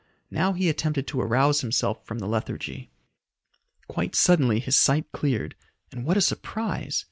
Now he attempted to arouse himself from the lethargy. Quite suddenly his sight cleared, and what a surprise!